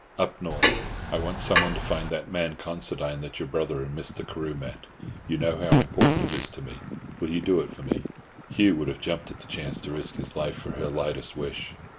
"Up North. I want some one to find that man Considine that your brother and Mr. Carew met. You know how important it is to me. Will you do it for me?" Hugh would have jumped at the chance to risk his life for her lightest wish.